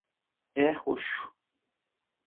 É roxo.